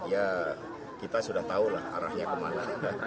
ya kita sudah tahu lah arahnya kemana